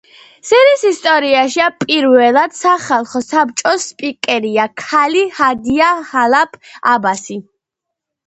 სირიის ისტორიაში პირველად სახლხო საბჭოს სპიკერია ქალი, ჰადია ხალაფ აბასი.